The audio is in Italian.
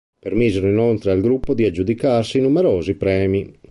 Permisero inoltre al gruppo di aggiudicarsi numerosi premi.